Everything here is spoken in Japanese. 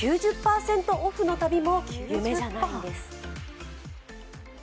９０％オフの旅も夢じゃないんです。